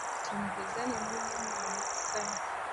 Temugeza ne mumumma omukisa.